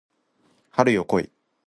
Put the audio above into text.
春よ来い